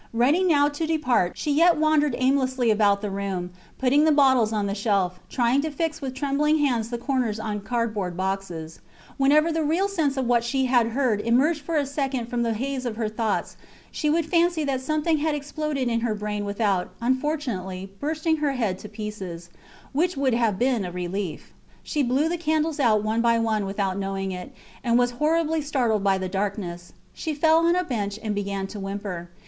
Ready now to depart, she yet wandered aimlessly about the room, putting the bottles on the shelf, trying to fit with trembling hands the covers on cardboard boxes. Whenever the real sense of what she had heard emerged for a second from the haze of her thoughts she would fancy that something had exploded in her brain without, unfortunately, bursting her head to pieces which would have been a relief. She blew the candles out one by one without knowing it, and was horribly startled by the darkness. She fell on a bench and began to whimper.